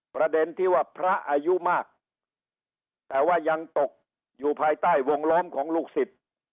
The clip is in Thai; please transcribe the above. ประเด็นที่ว่าพระอายุมากแต่ว่ายังตกอยู่ภายใต้วงล้อมของลูกศิษย์